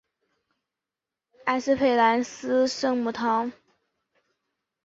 埃斯佩兰斯圣母堂。